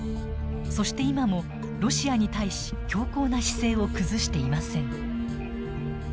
そして今もロシアに対し強硬な姿勢を崩していません。